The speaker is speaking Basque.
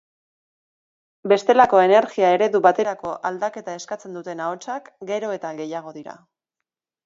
Bestelako energia-eredu baterako aldaketa eskatzen duten ahotsak gero eta gehiago dira.